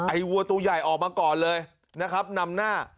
วัวตัวใหญ่ออกมาก่อนเลยนะครับนำหน้า